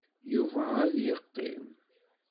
Yuba ad yeqqim.